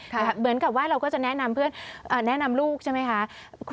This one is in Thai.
เหมือนกับว่าเราก็จะแนะนำเพื่อนแนะนำลูกใช่ไหมคะ